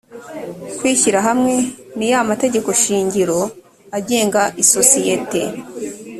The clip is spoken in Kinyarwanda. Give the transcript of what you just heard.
kwishyira hamwe n iy amategekoshingiro agenga isosiyete